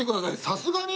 さすがに。